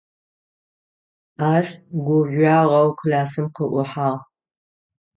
Ар гужъуагъэу классым къыӀухьагъ.